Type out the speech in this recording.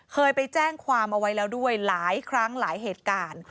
เคยไปแจ้งความเอาไว้แล้วด้วยหลายครั้งหลายเหตุการณ์